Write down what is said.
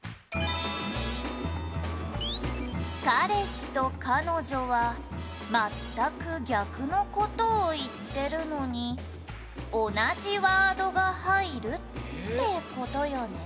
「彼氏と彼女は全く逆の事を言ってるのに同じワードが入るって事よね」